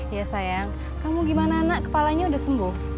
iya sayang kamu gimana anak kepalanya udah sembuh